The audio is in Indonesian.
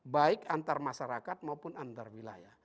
baik antar masyarakat maupun antar wilayah